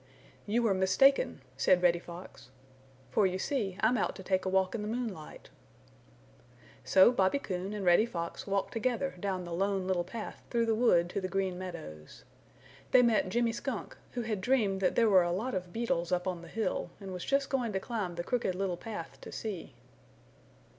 "You were mistaken," said Reddy Fox. "For you see I'm out to take a walk in the moonlight." So Bobby Coon and Reddy Fox walked together down the Lone Little Path through the wood to the Green Meadows. They met Jimmy Skunk, who had dreamed that there were a lot of beetles up on the hill, and was just going to climb the Crooked Little Path to see.